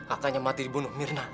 akannya mati dibunuh myrna